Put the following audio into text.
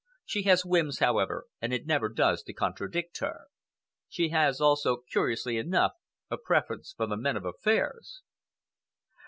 She has whims, however, and it never does to contradict her. She has also, curiously enough, a preference for the men of affairs."